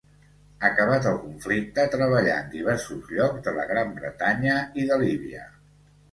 Acabat el conflicte, treballà en diversos llocs de la Gran Bretanya i de Líbia.